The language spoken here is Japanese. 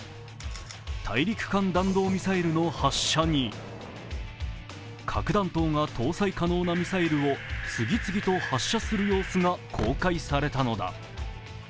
大陸間弾道ミサイルの発射に核弾頭が搭載可能なミサイルを次々と発射する様子が公開されたのだ。